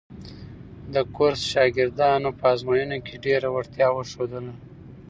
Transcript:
د کورس شاګردانو په ازموینو کې ډېره وړتیا وښودله.